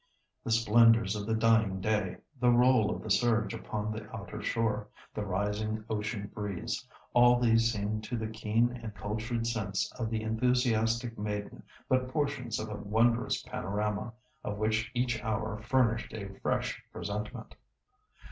The splendours of the dying day, the roll of the surge upon the outer shore, the rising ocean breeze, all these seemed to the keen and cultured sense of the enthusiastic maiden but portions of a wondrous panorama, of which each hour furnished a fresh presentment.